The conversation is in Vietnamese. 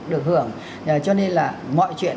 được hưởng cho nên là mọi chuyện